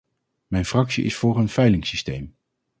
Mijn fractie is voor een veilingsysteem.